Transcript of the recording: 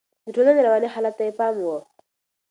د ټولنې رواني حالت ته يې پام و.